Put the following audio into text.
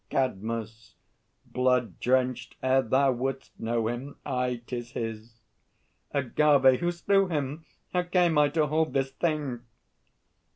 CADMUS. Blood drenched ere thou wouldst know him! Aye, 'tis his. AGAVE. Who slew him? How came I to hold this thing?